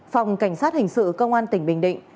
phòng cảnh sát hình sự công an tỉnh bình định